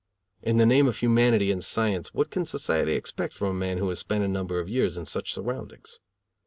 In the name of humanity and science what can society expect from a man who has spent a number of years in such surroundings?